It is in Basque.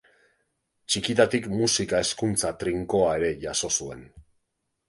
Txikitatik musika hezkuntza trinkoa ere jaso zuen.